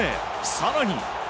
更に。